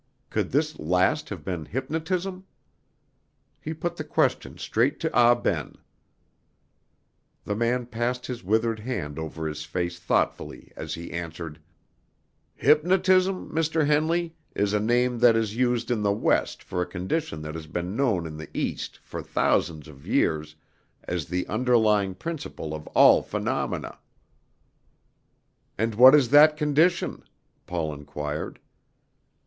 Could this last have been hypnotism? He put the question straight to Ah Ben. The man passed his withered hand over his face thoughtfully as he answered: "Hypnotism, Mr. Henley, is a name that is used in the West for a condition that has been known in the East for thousands of years as the underlying principle of all phenomena." "And what is that condition?" Paul inquired.